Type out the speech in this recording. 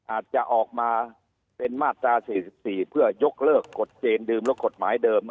อาจจะออกมาเป็นมาตรา๔๔เพื่อยกเลิกกฎเกณฑ์เดิมและกฎหมายเดิม